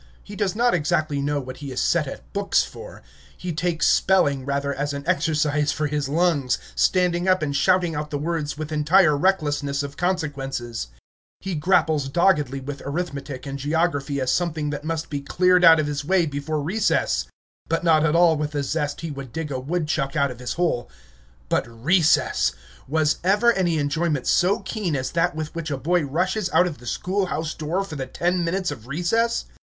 He does not exactly know what he is set at books for; he takes spelling rather as an exercise for his lungs, standing up and shouting out the words with entire recklessness of consequences; he grapples doggedly with arithmetic and geography as something that must be cleared out of his way before recess, but not at all with the zest he would dig a woodchuck out of his hole. But recess! Was ever any enjoyment so keen as that with which a boy rushes out of the schoolhouse door for the ten minutes of recess?